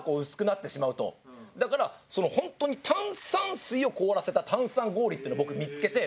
だから本当に炭酸水を凍らせた炭酸氷っていうのを僕見付けて。